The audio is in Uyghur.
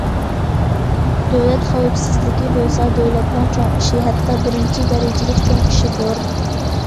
دۆلەت خەۋپسىزلىكى بولسا، دۆلەتنىڭ چوڭ ئىشى، ھەتتا بىرىنچى دەرىجىلىك چوڭ ئىشىدۇر.